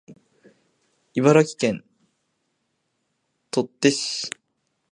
茨城県取手市